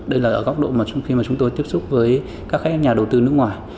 đây là ở góc độ trong khi chúng tôi tiếp xúc với các khách nhà đầu tư nước ngoài